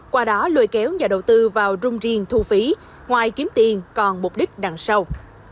qua đó lôi kéo nhà đầu tư vào rung riêng thu phí ngoài kiếm tiền còn mục đích đằng sau